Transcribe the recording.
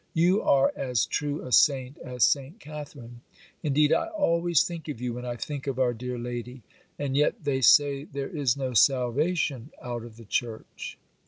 You are as true a saint as Saint Catharine; indeed, I always think of you when I think of our dear lady; and yet they say there is no salvation out of the Church.